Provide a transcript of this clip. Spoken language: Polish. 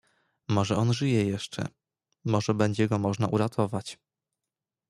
"Może on żyje jeszcze, może będzie go można uratować."